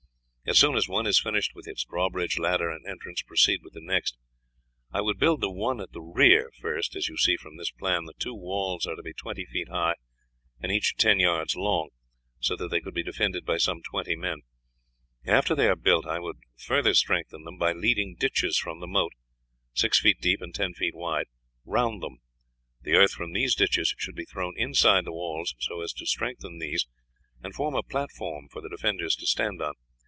As soon as one is finished, with its drawbridge, ladder, and entrance, proceed with the next. I would build the one at the rear first. As you see from this plan, the two walls are to be twenty feet high and each ten yards long, so that they could be defended by some twenty men. After they are built I would further strengthen them by leading ditches from the moat, six feet deep and ten feet wide, round them. The earth from these ditches should be thrown inside the walls, so as to strengthen these and form a platform for the defenders to stand on.